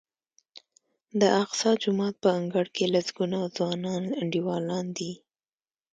د اقصی جومات په انګړ کې لسګونه ځوانان انډیوالان دي.